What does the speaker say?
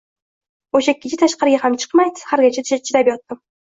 O’sha kech tashqariga ham chiqmay, sahargacha chidab yotardim…